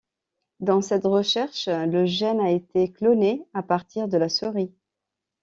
Dans cette recherche, le gène a été cloné à partir de la souris.